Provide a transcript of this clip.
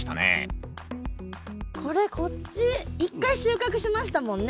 これこっち一回収穫しましたもんね。